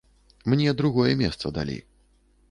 Мне другое месца далі.